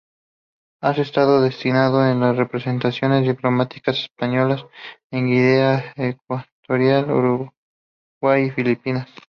Ha estado destinado en las representaciones diplomáticas españolas en Guinea Ecuatorial, Uruguay y Filipinas.